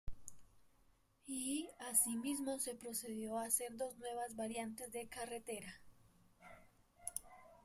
Y así mismo se procedió a hacer dos nuevas variantes de carretera.